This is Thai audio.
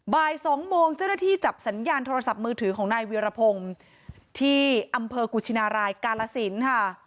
บ่าย๒โมงเจ้าหน้าที่จับสัญญาณโทรศัพท์มือถือของนายเวียรพงศ์ที่อำเภอกุชินารายกาลสินค่ะ